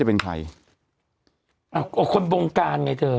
เหมือนกับเรามานั่งวิเคราะห์กันเองไม่ใช่นะ